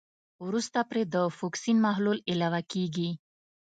وروسته پرې د فوکسین محلول علاوه کیږي.